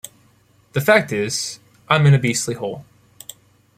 The fact is, I'm in a beastly hole.